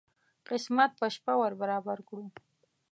قسمت په شپه ور برابر کړو.